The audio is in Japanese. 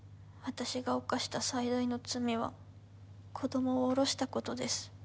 私が犯した最大の罪は子供をおろしたことです。